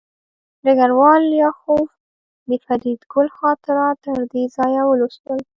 ډګروال لیاخوف د فریدګل خاطرات تر دې ځایه ولوستل